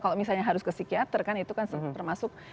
kalau misalnya harus ke psikiater kan itu kan termasuk